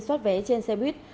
xót vé trên xe buýt